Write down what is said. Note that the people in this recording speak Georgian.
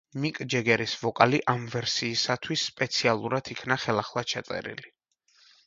მიკ ჯეგერის ვოკალი ამ ვერსიისათვის სპეციალურად იქნა ხელახლა ჩაწერილი.